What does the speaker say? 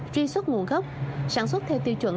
truy xuất nguồn gốc sản xuất theo tiêu chuẩn